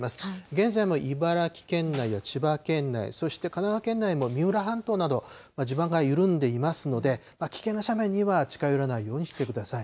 現在も茨城県内や千葉県内、そして神奈川県内も三浦半島など、地盤が緩んでいますので、危険な斜面には近寄らないようにしてください。